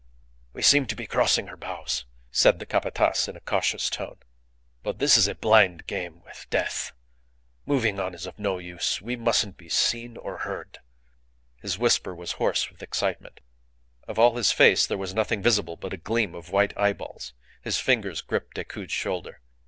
"We seem to be crossing her bows," said the Capataz in a cautious tone. "But this is a blind game with death. Moving on is of no use. We mustn't be seen or heard." His whisper was hoarse with excitement. Of all his face there was nothing visible but a gleam of white eyeballs. His fingers gripped Decoud's shoulder.